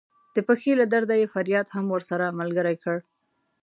د پښې له درده یې فریاد هم ورسره ملګری کړ.